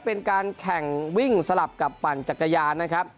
เป็นการแข่งวิ่งสลับกับปั่นจักรยานนะครับ